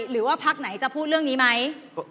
หรือว่าพักไหนจะพูดเรื่องนี้ไหม